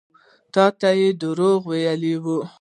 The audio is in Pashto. تا ته يې دروغ ويلي وو.